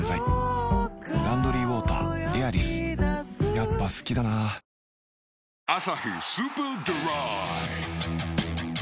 やっぱ好きだな「アサヒスーパードライ」